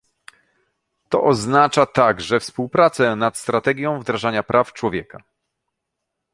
To oznacza także współpracę nad strategią wdrażania praw człowieka